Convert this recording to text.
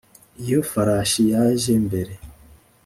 iyo farashi yaje mbere